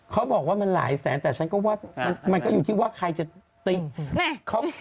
เขาบอกว่ามันหลายแสนแต่ฉันก็ว่ามันก็อยู่ที่ว่าใครจะตี